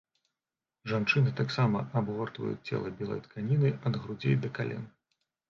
Жанчыны таксама абгортваюць цела белай тканінай ад грудзей да кален.